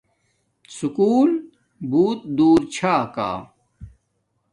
سکُول بوت دور چھا کا